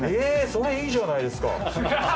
それいいじゃないですか。